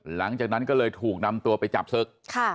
หลังจากนั้นก็เลยถูกนำตัวไปจับศึก